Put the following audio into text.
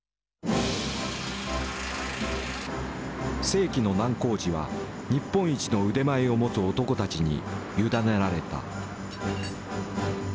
世紀の難工事は日本一の腕前を持つ男たちに委ねられた。